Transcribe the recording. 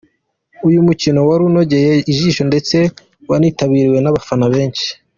Uyu mukino wari unogeye ijisho ndetsehi wanitabiriwe n’abafana benshi.